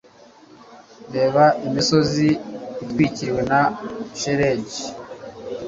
Reba imisozi itwikiriwe na shelegi.